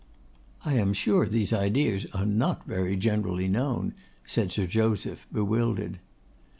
'I am sure these ideas are not very generally known,' said Sir Joseph, bewildered.